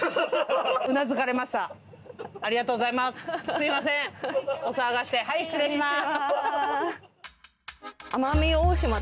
すいませんお騒がせしてはい失礼します。